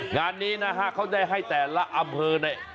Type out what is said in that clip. งานนี้เขาได้ให้แต่ละอำเภอใน